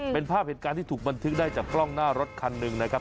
เป็นภาพเหตุการณ์ที่ถูกบันทึกได้จากกล้องหน้ารถคันหนึ่งนะครับ